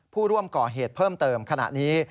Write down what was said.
ผู้ร่วมก่อเหตุเพิ่มเติมขณะนี้